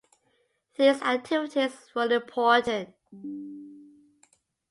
These activities were important.